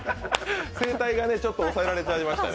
声帯がちょっと抑えられてましたね。